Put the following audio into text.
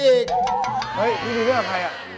เฮ้ยที่นี่เลือกใครอ่ะ